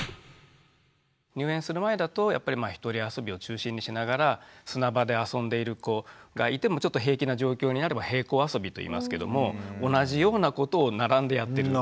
入園する前だとやっぱりひとり遊びを中心にしながら砂場で遊んでいる子がいてもちょっと平気な状況になれば平行遊びといいますけども同じようなことを並んでやってる。